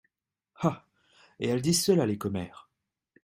Ah ! elles disent cela, les commères ?